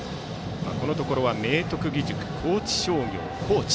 このところは明徳義塾、高知商業、高知